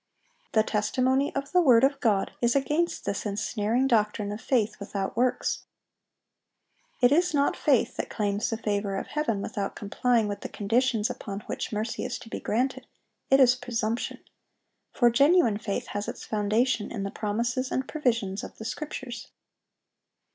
(809) The testimony of the word of God is against this ensnaring doctrine of faith without works. It is not faith that claims the favor of Heaven without complying with the conditions upon which mercy is to be granted, it is presumption; for genuine faith has its foundation in the promises and provisions of the Scriptures.